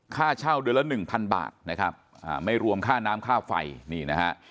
ค่าเช่าเดือนละ๑๐๐๐บาทนะครับไม่รวมค่าน้ำค่าไฟนี่นะ